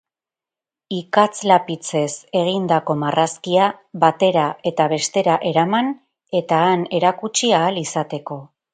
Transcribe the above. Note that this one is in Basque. Ikatz-lapitzez egindako marrazkia batera eta bestera eraman eta han erakutsi ahal izateko.